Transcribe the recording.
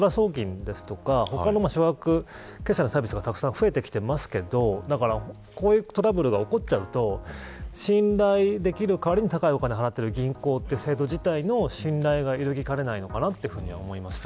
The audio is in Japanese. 他の決済のサービスが増えていますがこういうトラブルが起こってしまうと信頼できる代わりに高いお金を払っている銀行という制度自体の信頼が揺るぎかねないと思いました。